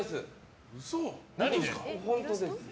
本当です！